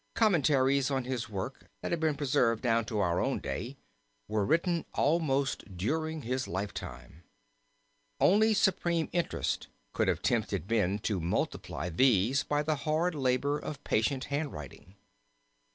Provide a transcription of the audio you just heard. Commentaries on his works that have been preserved down to our own day were written almost during his lifetime. Only supreme interest could have tempted men to multiply these by the hard labor of patient handwriting.